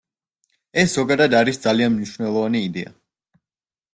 ეს ზოგადად არის ძალიან მნიშვნელოვანი იდეა.